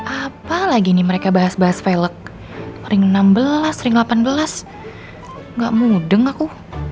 apalagi nih mereka bahas bahas velock ring enam belas ring delapan belas gak mudeng aku